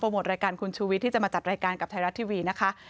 หมดรายการคุณชูวิทย์ที่จะมาจัดรายการกับไทยรัฐทีวีนะคะ